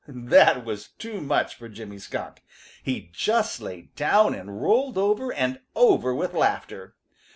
That was too much for Jimmy Skunk. He just lay down and rolled over and over with laughter.